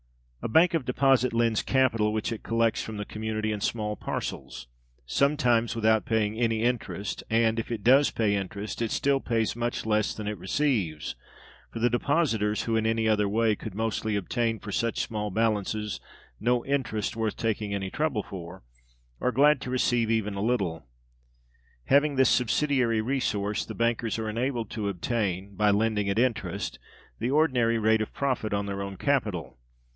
A bank of deposit lends capital which it collects from the community in small parcels, sometimes without paying any interest, and, if it does pay interest, it still pays much less than it receives; for the depositors, who in any other way could mostly obtain for such small balances no interest worth taking any trouble for, are glad to receive even a little. Having this subsidiary resource, bankers are enabled to obtain, by lending at interest, the ordinary rate of profit on their own capital.